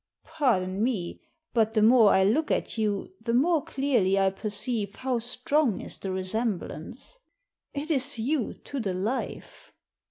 •* Pardon me, but the more I look at you the more clearly I perceive how strong is the resemblance. It is you to the life.